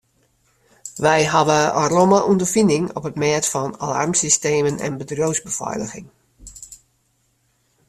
Wy hawwe romme ûnderfining op it mêd fan alarmsystemen en bedriuwsbefeiliging.